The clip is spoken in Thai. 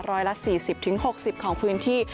ร้อยละ๔๐๖๐ของพื้นที่